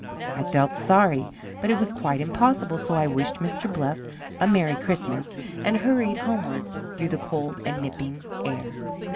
I felt sorry, but it was quite impossible, so I wished Mr. Bluff a "Merry Christmas," and hurried homeward through the cold and nipping air.